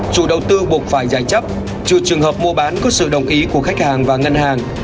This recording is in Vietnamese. chủ đầu tư buộc phải tranh chấp trừ trường hợp mua bán có sự đồng ý của khách hàng và ngân hàng